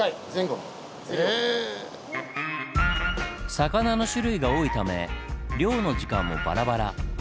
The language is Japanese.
魚の種類が多いため漁の時間もバラバラ。